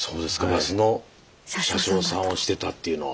バスの車掌さんをしてたっていうのは。